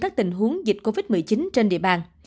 các tình huống dịch covid một mươi chín trên địa bàn